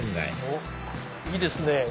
いいですね！